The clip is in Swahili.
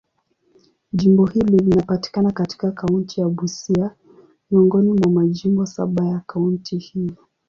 Jimbo hili linapatikana katika kaunti ya Busia, miongoni mwa majimbo saba ya kaunti hiyo.